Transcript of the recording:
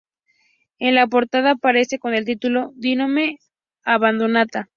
En la portada aparece con el título: "Didone abbandonata.